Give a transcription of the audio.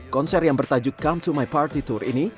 konser yang bertajuk come to my party tour ini